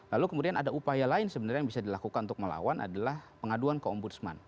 lalu kemudian ada upaya lain sebenarnya yang bisa dilakukan untuk melawan adalah pengaduan ke ombudsman